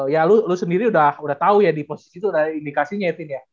ya lo sendiri udah tau ya di posisi itu udah indikasinya ya tin ya